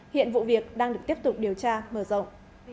hiện vụ việc đang được tiếp tục điều tra mở rộng